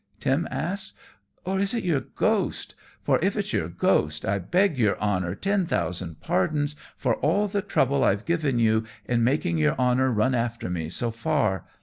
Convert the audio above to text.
Tim asked; "or is it your ghost? For if it's your ghost I beg your honor ten thousand pardons for all the trouble I've given you, in making your honor run after me so far.